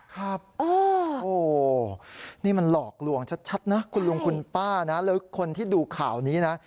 ครับโอ้โหนี่มันหลอกลวงชัดนะคุณลุงคุณป้านะแล้วคนที่ดูข่าวนี้นะ